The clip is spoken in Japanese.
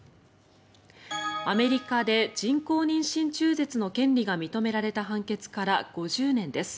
アメリカで人工妊娠中絶の権利が認められた判決から５０年です。